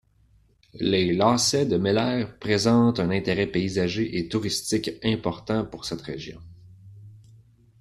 Les lacets de Mélaire présentent un intérêt paysager et touristique important pour cette région.